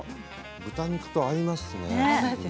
豚肉が合いますね。